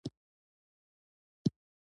پخوا ملي دولت استعماري پروژه وه.